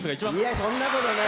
いや、そんなことない。